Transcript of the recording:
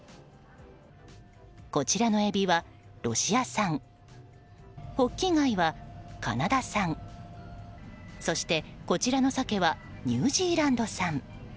こちらのエビはロシア産ホッキガイはカナダ産そして、こちらのサケはニュージーランド産。